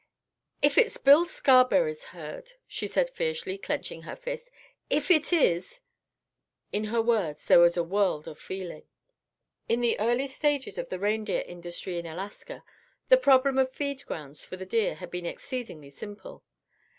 "If it's Bill Scarberry's herd," she said fiercely, clenching her fists, "if it is!" In her words there was a world of feeling. In the early stages of the reindeer industry in Alaska, the problem of feed grounds for the deer had been exceedingly simple.